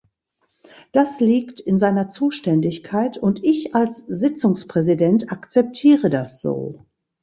Das liegt in seiner Zuständigkeit, und ich als Sitzungspräsident akzeptiere das so.